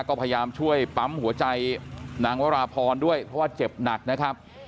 ก็พยายามช่วยปั๊มหัวใจนางวราพรด้วยเพราะว่าเจ็บหนักนะครับ